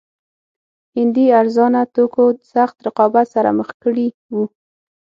هندي ارزانه توکو سخت رقابت سره مخ کړي وو.